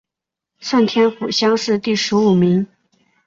顺天府乡试第十五名。